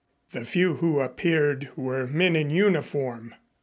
The few who appeared were men in uniform.